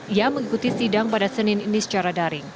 ia mengikuti sidang pada senin ini secara daring